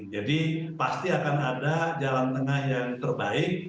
jadi pasti akan ada jalan tengah yang terbaik